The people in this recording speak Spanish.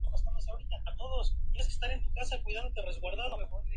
El municipio se ubica en el Altiplano Central.